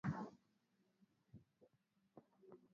Kalemie iko na ma comune tatu